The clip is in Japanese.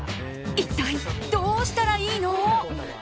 一体どうしたらいいの？